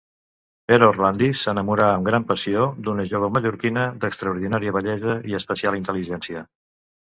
Pere Orlandis s'enamorà amb gran passió d'una jove mallorquina d'extraordinària bellesa i especial intel·ligència.